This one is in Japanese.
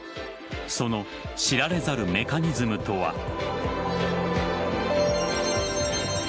その知られざるメカニズムとは。